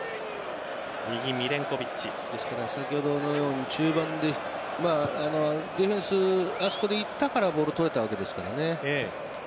先ほどのように、中盤でディフェンスあそこでいったからボール取れたわけですからね。